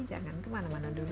jangan kemana mana dulu